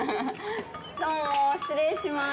どうも失礼します。